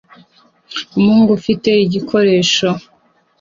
Umuhungu ufite igikoresho